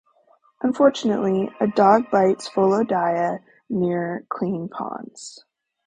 Unfortunately, a dog bites Volodya near Clean Ponds.